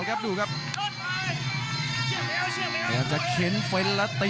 ยังไงยังไง